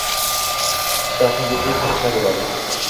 Shtatning o'zi "krishna" bo'ladi